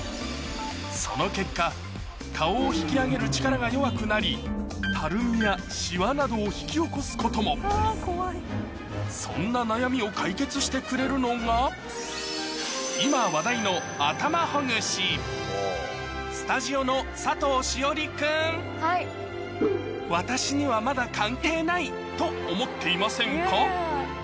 その結果顔を引き上げる力が弱くなりたるみやシワなどを引き起こすこともそんな悩みを解決してくれるのがスタジオの佐藤栞里君はい。と思っていませんか？